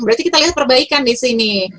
berarti kita lihat perbaikan disini